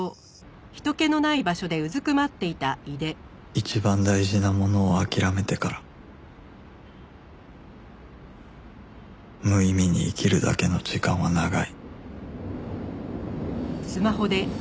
一番大事なものを諦めてから無意味に生きるだけの時間は長い